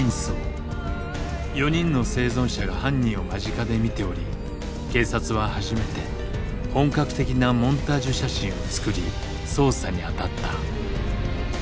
４人の生存者が犯人を間近で見ており警察は初めて本格的なモンタージュ写真を作り捜査に当たった。